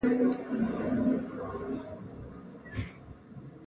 د غلې قانون و.